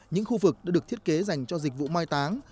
những khu vực đã được thiết kế dành cho dịch vụ mai táng